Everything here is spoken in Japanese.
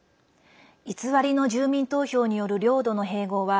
偽りの住民投票による領土の併合は